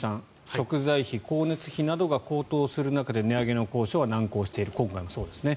食材費、光熱費などが高騰する中で値上げの交渉は難航している今回もそうですね。